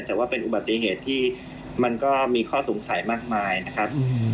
แต่ว่าเป็นอุบัติเหตุที่มันก็มีข้อสงสัยมากมายนะครับ